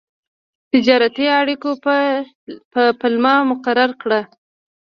تجارتي اړیکو په پلمه مقرر کړ.